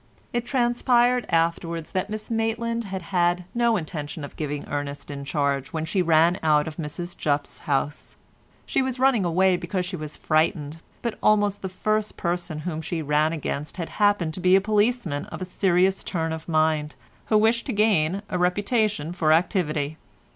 It transpired afterwards that Miss Maitland had had no intention of giving Ernest in charge when she ran out of Mrs Jupp's house. She was running away because she was frightened, but almost the first person whom she ran against had happened to be a policeman of a serious turn of mind, who wished to gain a reputation for activity.